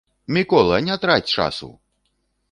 Мікола, не траць часу!